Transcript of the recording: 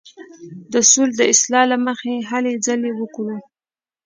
د سولې د اصولو له مخې هلې ځلې وکړو.